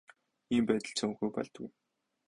Ийм байдал цөөнгүй тохиолддог юм.